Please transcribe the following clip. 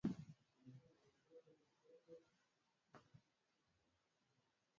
wameshushia tuhuma nzito jeshi la nchi hiyo kwa kitendo